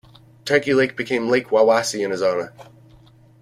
Turkey Lake became Lake Wawasee in his honor.